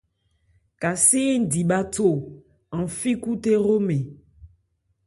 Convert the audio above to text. Kasé ń di bháthó an fí ákhúthé hromɛn.